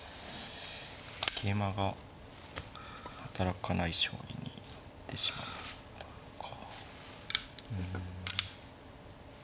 桂馬が働かない将棋になってしまったか。